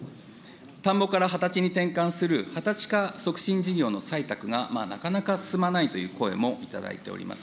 田んぼから畑地に転換する畑地化促進事業の採択が、なかなか進まないという声もいただいております。